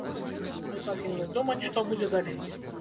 Мы павінны думаць, што будзе далей.